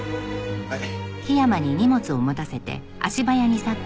はい。